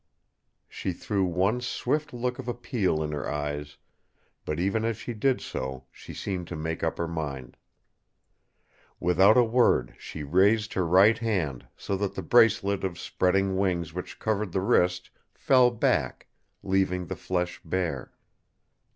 She threw one swift look of appeal in his eyes; but even as she did so she seemed to make up her mind. Without a word she raised her right hand, so that the bracelet of spreading wings which covered the wrist fell back, leaving the flesh bare.